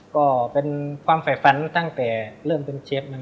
ก็เป็นความแฝ่บฟันตั้งแต่เริ่มเป็นเชฟด้วย